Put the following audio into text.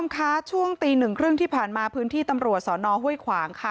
คุณผู้ชมคะช่วงตีหนึ่งครึ่งที่ผ่านมาพื้นที่ตำรวจสอนอห้วยขวางค่ะ